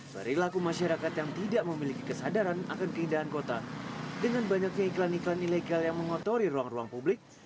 perilaku masyarakat yang tidak memiliki kesadaran akan keindahan kota dengan banyaknya iklan iklan ilegal yang mengotori ruang ruang publik